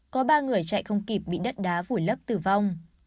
có ba người chạy không kịp bị đất đá vùi lấp tử vong